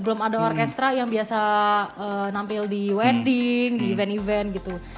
belum ada orkestra yang biasa nampil di wending di event event gitu